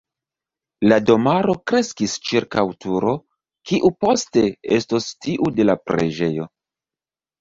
La domaro kreskis ĉirkaŭ turo, kiu poste estos tiu de la preĝejo.